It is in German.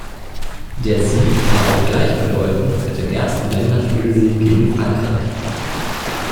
Der Sieg war auch gleichbedeutend mit dem ersten Länderspielsieg gegen Frankreich.